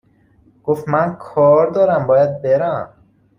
گفت من کار دارم باید برم